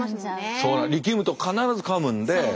そう力むと必ず噛むんで。